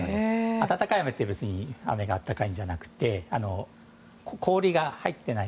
温かい雨というのは雨が温かいんじゃなくて氷が入っていない。